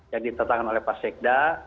yang ditetapkan oleh pak sekda